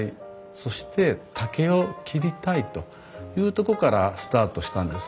そして竹を切りたいというとこからスタートしたんですね。